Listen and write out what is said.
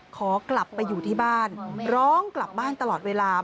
ขอกลับไปอยู่ที่บ้านร้องกลับบ้านตลอดเวลา